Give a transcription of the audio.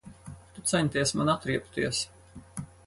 Tu centies man atriebties.